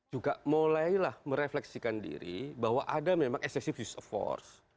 juga mulailah merefleksikan diri bahwa ada memang excessive use of force